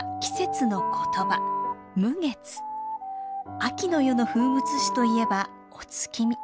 秋の夜の風物詩といえばお月見。